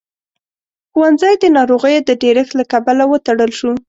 ښوونځی د ناروغيو د ډېرښت له کبله وتړل شو.